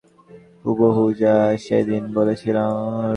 হুবহু, যা সেদিন বলেছিলাম।